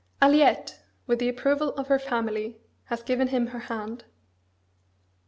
Aliette, with the approval of her family, has given him her hand.